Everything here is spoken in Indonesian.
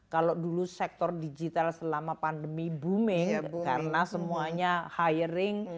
kalau dulu sektor digital selama pandemi booming karena semuanya hiring